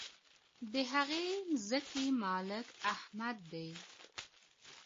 د هغې مځکي مالک احمد دی.